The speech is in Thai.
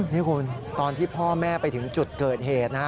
นี่คุณตอนที่พ่อแม่ไปถึงจุดเกิดเหตุนะ